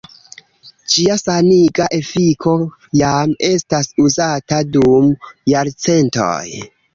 Ĝia saniga efiko jam estas uzata dum jarcentoj.